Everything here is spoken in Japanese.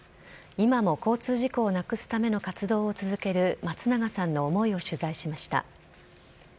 今も交通事故をなくすための活動を続ける松永さんの思いを取材しました。